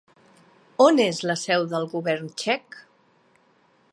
On és la seu del govern txec?